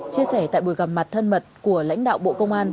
chia sẻ tại buổi gặp mặt thân mật của lãnh đạo bộ công an